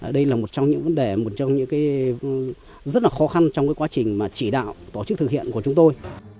đây là một trong những vấn đề một trong những cái rất là khó khăn trong quá trình mà chỉ đạo tổ chức thực hiện của chúng tôi